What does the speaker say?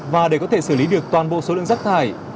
và để có thể xử lý được toàn bộ số lượng rác thải